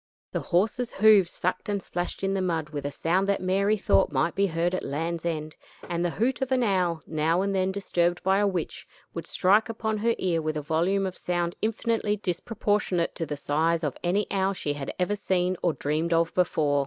The horses' hoofs sucked and splashed in the mud with a sound that Mary thought might be heard at Land's End; and the hoot of an owl, now and then disturbed by a witch, would strike upon her ear with a volume of sound infinitely disproportionate to the size of any owl she had ever seen or dreamed of before.